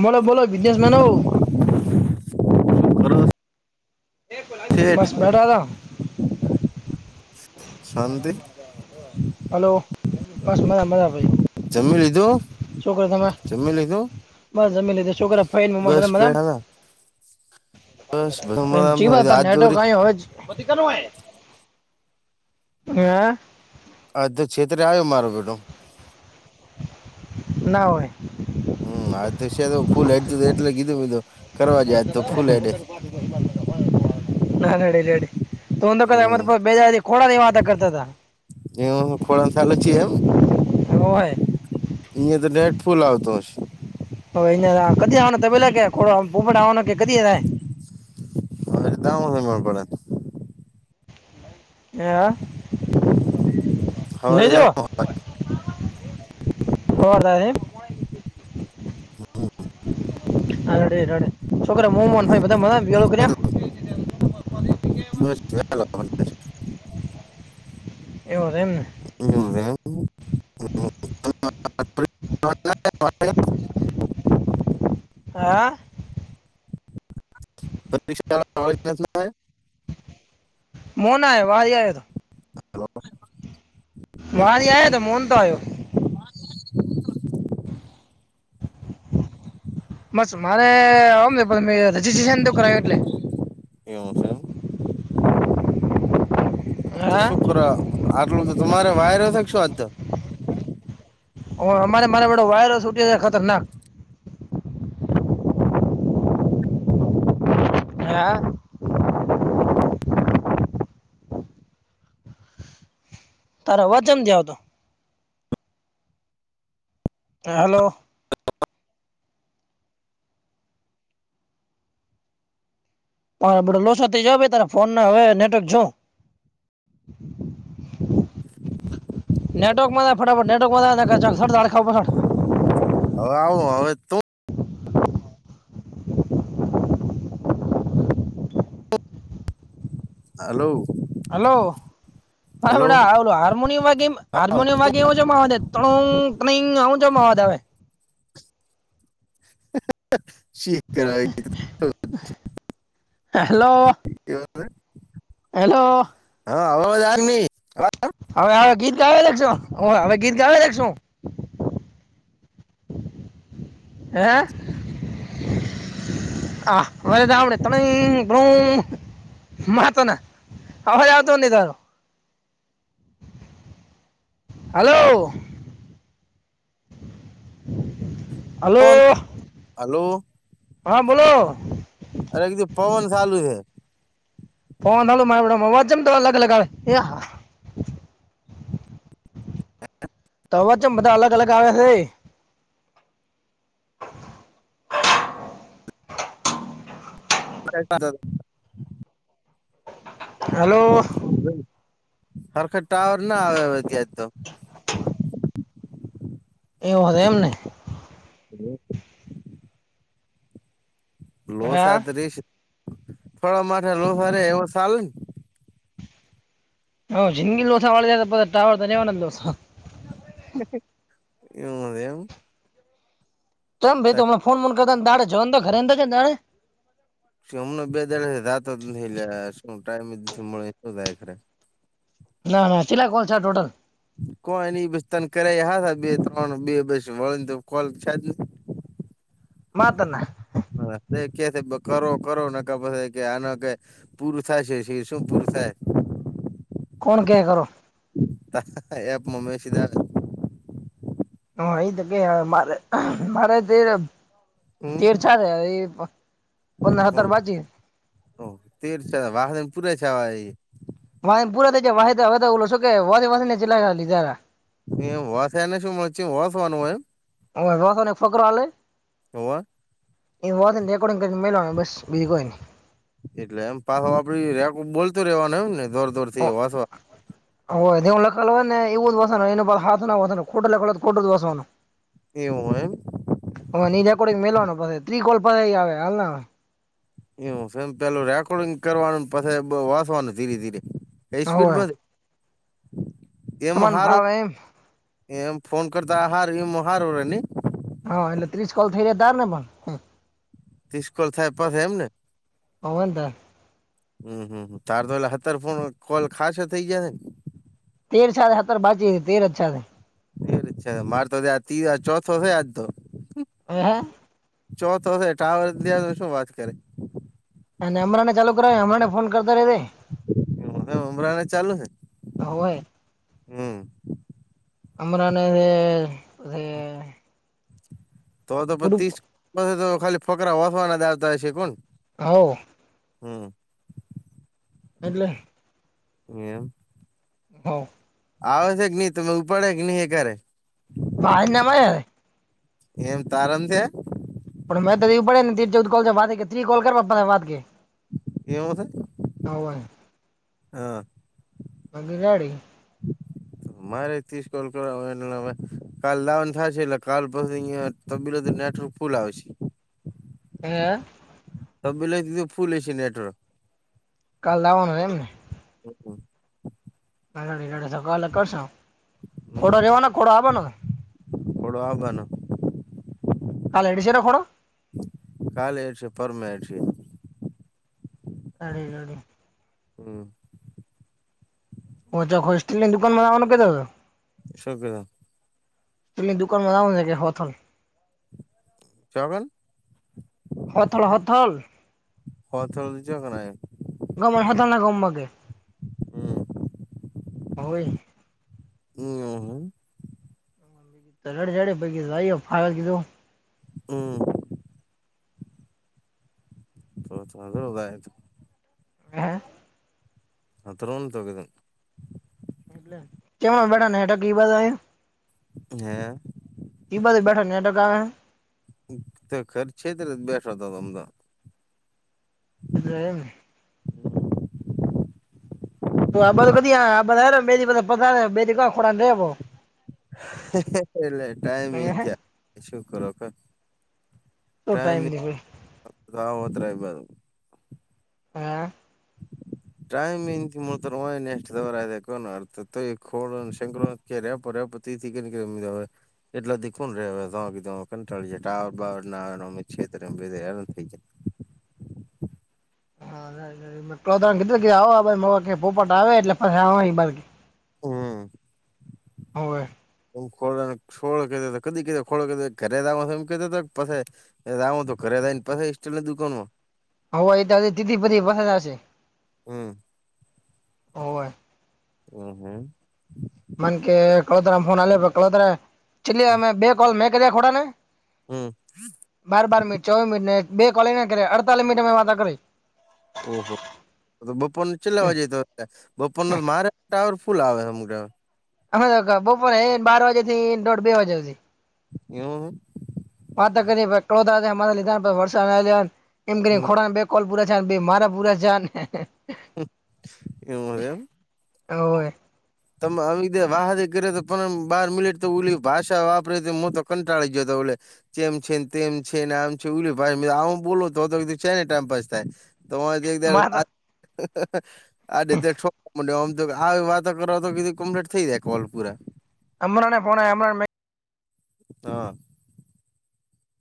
મને બોલો બિજનેસમન હોઉ કરો શેઠ બસ બેઢાતા. શાંતિ હલો બસ મજા મજા ભાઈ. જમી. લીધું છોકરા તમે જમી લીધું બસ જમીન લીધ છોકરા. બમી બસ બેઠા હવે. હતા જીવા બસ આજ તારું નેટવર્ક દોરી આયુ પોતીકા નય [inaudible] હ આ તો છેતરે આવ્યો મારો બેટો ના હોય હમ આ તો છે તો ફૂલ એડું એટલે કીધું કીધું કરવા જજ તો ફૂલ એડે એંધય [inaudible] ના રેડી રેડી હમ તો બેજ કોડાની વાતા કરતા હતા. એ ખોળણ થલે છી એમ. હગો ભાઈ. અહં તો નેટ ફૂલ આવતો હશે. હવે અ કદી આવવા પેલા કેો પોપટ આવવાનો કે કદી. હ દ મળ પડે હ લ હવે જવા દામો હોર દ હા રડે રડે શો કરે મોમન ભાઈ બધા મ વળો કર્યા. બ. એ હોરામને હમ. [unintelligible] હા. બક્ષા મોન આ વા આયો તો મારી આ હતો મોહન તો આવ્યો. બસ મારે આવમ પણ મે રજીસ્ટ્રેશન તો કરાવ્યું એટલે એવમું છે. હા શોક્ર આટલું તો તમારે વાયર છે શું આજ તો અમારે મારે વાયરો છટી ખતર ના હે. તાર અવાજમ જ આવ તો હ હલો લોસ જાવ ત ફોનને હવેનેટવર્ક જોવં. [inaudible] નનેટવર્કમાં ફટાફટ નેટવર્કમાંડ ખા હવે આવો હવે. [unintelligible] હલો હલો હા હલો બડાલો હારમોનિમ વા હા હારમોનિમ વા કેવું જમાવા દે ત્ર ત્રંગ આવું જમાવા દે હવે શીખ કર એવ. હેલો હેલો હા હવાજાર નહી. હવે હવે ગીત ગાવી લખશો હું હવે ગીત ગાવી લખ છું હે હ મરેદણે તણે બો મા તો ના હ હ આવતો ન તું હલોો પવન હલોો હલો હા બોલો અરેધી પવન ચાલું છે ફોન હ મારે અવાજમ તો અલગ લગાવેા હ તોવાચમ બધા અલગ અલગ આવ્યા છે [inaudible] હલો. ખરખર ટાવર ના આવે ત્યાંજ તો. એવ હતો એમને એ હા લોસા ત્રીસ થોડા માથા લોસા રે એવ સાલે ને હ જિગી દ લોસા વાળે ટાવર ધન્યાવાનંદ દોસા એવુંમ તોમ ભાઈ તો હમ ફન ફો કર દાે જવા તો ઘરે દાડે. શ હમને બે દાણા રાતો જ નથી લે શું ટાઈમ જ નથી મળે શ થાય ખરે. ના ના તટલા ખોલ છ ટોટલ. કો એની બસ તને કર્યા હ હતાા બે ત્રણ બે બસ વળી ને તો કોલ સાજ [inaudible] માતના. હ એ કે કરો કરો ન પછ કે આના કે પૂરું થાય છે શું પૂરું થાય. કોણ ક્યા કરો? એ મમે સીધા હ એ તો કે મારે મારે તે તેર એ હું પંદર ઓ સતર બાચીસ. ઓ તેર વા પુયા છેવા એ. વાને પુરા થાય વા ઓ શ કે વા વા ને ચલા લીધા. મે હોસાને શુંમચી હોસાવાનું હોયમ? હસને એક ફકરા હલે. ઓવાર. એ વાતનેેકોર્ડંગ કરીને મેવાનું બસ બીજી કોઈ ન. એટલે એમ પાછો આપડી ર બોલતું રેવાનું એ ને દોર દોર થી વાસવા. હોયવું લખડ હો ને એવું જ વસનું એનું હાથ નાસવાનું ખોટું લખડય તો ખોટું વસવાનું. એવું હ. હ ની રેકોર્ડિંગ મેવાનો પ ત્રિકોલ પ આવે હાલ. એમ પેલું રેકોર્ડિંગ કરવાનું પછી વાસવાનું ધીરે ધીરે. એ સ્પીડ હોવે મ એમ તમાને હારમ ભાવે એમ એ એમ ફોન કરતા આ હાર એમ હારવ રહે ની. હા એટલે ત્રીસ કોલ થઇ ર તાર ને પણ. તિસ્કોલ થાય પાછ એમને? હોવે ને તાર હમ હમ તાર તો એલા અતાર ફોન કોલ ખાસ થઇ જાયને. તેર છા હતર બાકી તર અછા થે. એ ર છે મારે તો તજ ચોથો થાય આજ તો. ઓહા. ચોથો હ ટાવર દ તો શું વાત કરે. અને હમરાંને ચાલુ કરાયું હમરાંને ફોન કરતા રે. હ ઉમરાને ચાલુ છે હોય હમ્મ. અમરા અને અને તો તો પીસ તો ખાલી ફોકરા ઓસવાના જ આવતા હો છે કોણ. હઓ. હમ્મ. એટલે. એમ. હઑ. આવ છેે જ નઈ તમે ઉપાડે કે નઈ હે કરે. ભાણેજ ને મળ્યા એમ તારમ છેે પણ મેં તો એવું પડેને ત તે ચૌદ કોલ વાળે ત્રી કોલ કરવા વાત કે. એવું છે બાકી હા. નક ગાડી [unintelligible] [inaudible] મારે ત્રીસ કોલ કરવા એટલે કાલ ડાઉન થાય છે એટલે કાલ પછી અયા. તો બુરોતી નેટવર્ક ફુલ આવે છે. હ [unintelligible] તબેલે તોથી ફુલ હસે નેટવર્ક કાલ આવવાનું એમ ને હમ્મ હમ્મ. [unintelligible] કાલે કરશ ખોડો રેવાનો ખોડો આવવાનો ખોડો આવબાનો કાલે ડીસે રે ખોડો કાલે હેડસે પરમા હેડસે તડે ગડે હમ્મ. ઓ ચો હોસ્ટલની દુકાનમાં આવવાનો કેતો હતો શું કેતા [unintelligible] દુકાનમાં આવવાનું ને કે હોથન હથલ હથલ હથળ ચકનાય ગેમલ હોથલ ના ગામ માં ગયું હવે હમ્મ. તગડ જાડે પહિ લાયો ફાવલ કીધું હમ્મ. તો તોગ [unintelligible] હ્યાં અથરમ તગઉ એટલે કેમ એ બેઠા નેટ કી બધા એ હ્યાં એબાજુ બેઠા નેટવર્ક આવે હે તો ઘર છેતરે બેઠો તો હમ્મ હા એટલે એમ તો આ બાજુ કદી આવ આ પધારી બે દિ બડા [unintelligible] રેવો એટલે ટાઈમ ઈ થયા શું કરો હા શું ટાઈમ ની કોઈ આવ ઓતરા ઈ બાજુ હ્યાં ટાઈમ ત મુળતાર માઈનેસ્ટ દવારા એ કોન અર્થ તો કોડ શંકર [inaudible] કે્ રેપ રેપો થી પપતિ થી કેમીય [inaudible] એટલા દીખું રે હવેાળી જાય ટાવર બાવર આવેમેધ થઈ જાય [inaudible] તો કીધું આવ બ પોપટ આવે એટલે પહિ હમ હોવે. હુ ખોલ ખોડ કેતો કદી કતો ખોળો ઘરેમાં, એમ કેતો પછી એ ગાઉ ત ઘરે રેય પહિ [unintelligible] દુકાનમાં આવું ઓય તો કેટલી બધી વહદ શે હમ, હોવે હમ, હમ. મન કે ક ફોન ચલી અમે બે કોલ મેં કર્યા ખોડાને હમ બાર-બાર મિનટ, ચૌવી મિનટ, બે કોલી ના કર. અડતાલીસ મિનટ વાતા કરી. ઓહો. તો બપોર ન ચલાવા જઈએ, તો બપોર ન મારે ટાવર ફૂલ આવે. અમે બપોરે બાર વાગે થી દોઢ બે વાગ્યા સુધી. એવું. વાત કરીએ, કો લધ વર્ષ એમ કરી ખો બે કોલ પૂરા. ભ મારા બુરા જાન. હમ એવુ એમ. હોવે. તમે આવી વાતો કરે, પણ બહાર મિલેટ તો ઓલી ભાષા વાપરે. મો તો કંટાળી ગયો તો અવડે. જેમ છે તેમ છે ને, આમ છે. ઉભું બોલ તો છે ને, ટાઈમપાસ થાય. તમારેે માર તો આવી વાત. તો તો બીજું કમ્પ્લીટ થઈ જાય, કોલ પુરા. અમારે ર નાને-પોના અમરા મે. હા.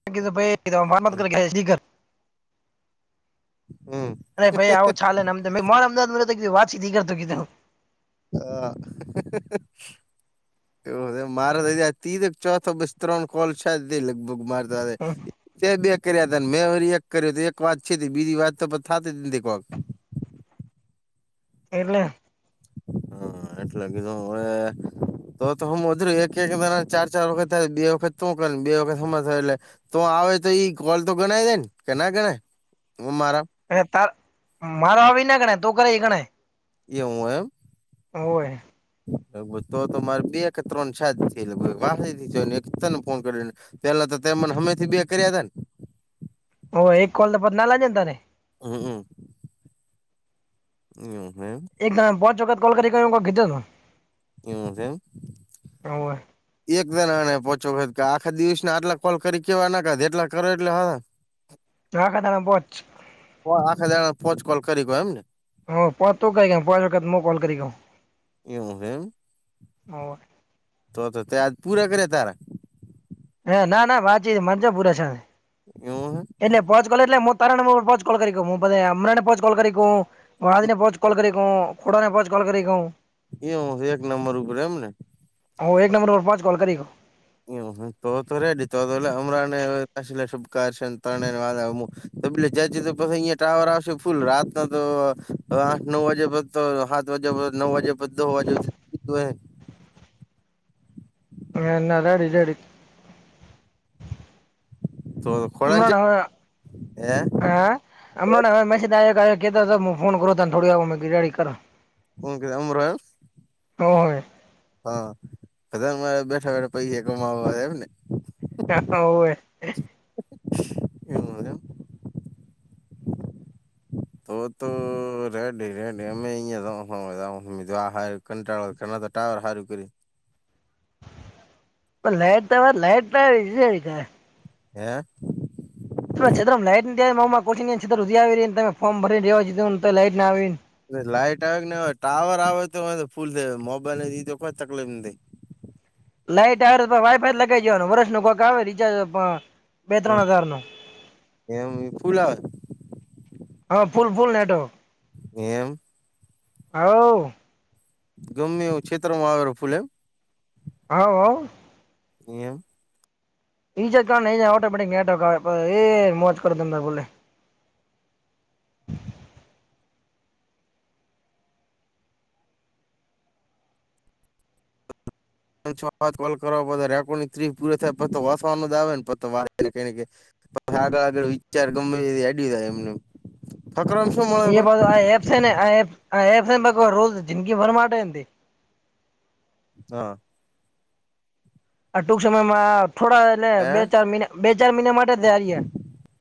ભ માર શીકર. હમ. અરે ભાઈ, આવો ચા ને, મે મા અમાદ નધ વાચી કરતો, દીધું. હ. [unintelligible] એવું, માર તો તી ચોથ બસ ત્રણ કોલ છે, લગભગ મારતો હવે‌. તે બે કર્યા હતા ને, મેં વરી એક કર્યો. તો એક વાત છે, બીજી વાત તો થતી કો. એટલે. હા, એટલે કીધું હવે. તો તો હું અધરું એક-એક, ચાર-ચાર વખત થાય. બે વખત શું કરીને? બે વખત, અમણા થાય એટલે. તો આવે, તો ઈ કોલ તો ગણાય દે ને? કેના ગણાય મારા? અને તારા-મારો આવી ના ગણાય? તું કરે, ગણાય. એવું એમ. હોવે. તો તો મારે બે કે ત્રણ છ જ છે. એલે વાત એક તને ફોન કરીને. પેલા તો તેમને હમેથી બે કર્યા હતા ને. ઓ એક કોલ તો પત ના લજ તને. હમ, હમ. એવ છે એમ. એક ના બહો જગત કોલ કરી દીધી. એવુ છે એમ. ઓવે એક જને એ પોચો કે આખા દિવસ આટલા કોલ કરી કેવા નાખા જેટલા કરો, એટલે હ. ત્રણખાતા પોચ. ઓ આખે જા ફોચ કોલ કરી ગયો એમને. હ, પાચ તો કરી ગયા. પાંચ વખત કોલ કરી ગઉ. એવું છે એમ તો તો તે આજ પૂરા કરે તારા હ ના ના બાકી મારા તો પુરા થયા. એવું હ. એટલે પોચ કોલ એટલે મો તાર પો કો કરી મુે અમરાને પો કોલ કરી. ગણા નેહોચ કોલ કરી કહ ખોડા નેહો કોલ કરી કહું. એવું એક નંબર ઉપર એમને હો એક નંબર પર પાંચ કલ કરી ગયો. હ તો તો રેડી તોતો અમરાને શુભ કર ત્રણેને અમુક. તો પલે જજે તો પછ અહિયાંયા ટાવર આવશે ફૂલ રાતના તો આઠ નવ વાગે તો સાત વાગ્યા નવ વાગે દો વાગે થું હદ અડી જ અડી તો અમ ખોળન છે હો હે હ હમણાને હવે મેસેજ આવ કેતા હતો હું ફોન કરો તને થોડી રેડી કરો. હું કમ રું તો હોવે હા બધ મારે બેઠા બેઠા પૈસા કમાવવા એમને હવે એધ તો તો રેડી રેડી અમેયા કટાળ ટાવર હાર્યું કરી લાઈટ તો લાઈટ ના હે છ લાઈટ તમાંી છ ઉધી આવીને ફોર્ ભરીનેવાીું તો લાઈટ ના આવીને લાઈટ આવે કેય ટાવર આવે તો ફૂલ થ મોબાઈલ ને જી તો કોઈ તકલીફ નથી લાઈટ આવે તો વાયફાઈ લગઈ જવાનું વર્ષ ન કોક આવે રિચાર્જ બે ત્રણ હજાર નો એમ ઈ ફૂલ આવે હા ફૂલ ફૂલ નેટો એમ હ ગમે એ છેેતરમાં આવેલો ફૂલે એમ હ હ એમ એજ કજ ઓટોમેટિકટ એ મોજ કર દ બોલે છ વા કોલ કરવા રેકોર્ડ ત્રી પૂરી થાય વસવાનો જ આવે નેઈ પછી આગળ આગળ વિચાર ગમે આડીાય એમને ફકર એ આ એપ છે ને આ આ એપને રોજ જિંદગી ભર માટે હા આ ટૂંક સમયમાં થોડા એને હે બે ચાર મહિના બે ચાર મહિના માટે તારીય